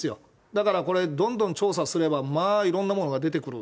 だから、これ、どんどん調査すれば、まあ、いろんなものが出てくる。